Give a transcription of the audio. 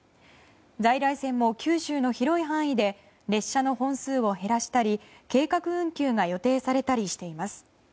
在来線も九州の広い範囲で列車の本数を減らしたり計画運休が予定されたりしています。